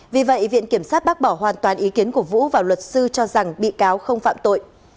vì vậy viện kiểm sát bác bỏ hoàn toàn ý kiến của vũ và luật sư cho rằng bị cáo không phạm tội